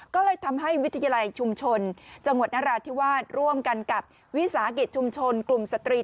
ก็เลยทำให้วิทยาลัยชุมชนจังหวัดนราธิวาสร่วมกันกับวิสาหกิจชุมชนกลุ่มสตรี